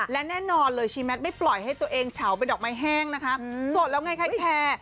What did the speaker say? และแน่นอนเลยชีแมทไม่ปล่อยให้ตัวเองเฉาเป็นดอกไม้แห้งนะคะสดแล้วไงคะแคร์